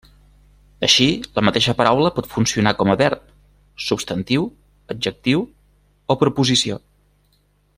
Així, la mateixa paraula pot funcionar com a verb, substantiu, adjectiu o preposició.